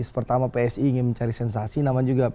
pertama psi ngecari sensasi nama juga